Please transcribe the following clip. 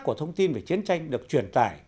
của thông tin về chiến tranh được truyền tải